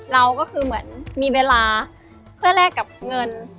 เราก็คือเหมือนมีเวลาเพื่อแลกกับเงิน